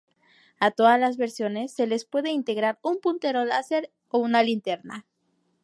A todas las versiones se les puede integrar un puntero láser o una linterna.